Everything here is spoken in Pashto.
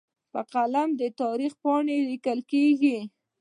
په قلم د تاریخ پاڼې لیکل کېږي.